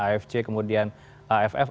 afc kemudian aff